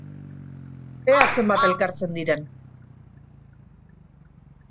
Ea zenbat elkartzen diren.